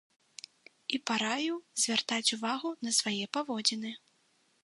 І параіў звяртаць увагу на свае паводзіны.